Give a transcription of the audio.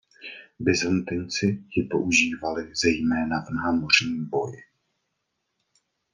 Byzantinci ji používali zejména v námořním boji.